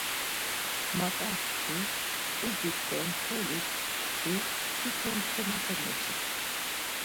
Mapaǩti, İdit do mtelik ti tito ntoma komeçik.